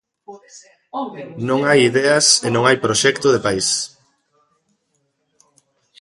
Non hai ideas e non hai proxecto de país.